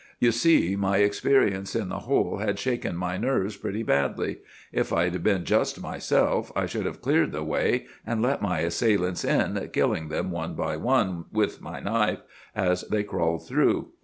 You see, my experience in the hole had shaken my nerves pretty badly. If I'd been just myself, I should have cleared the way, and let my assailants in, killing them one by one, with my knife, as they crawled through.